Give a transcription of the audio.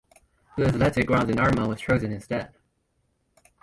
The Athletic Grounds in Armagh was chosen instead.